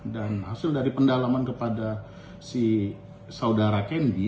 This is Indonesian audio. dan hasil dari pendalaman kepada si saudara kendi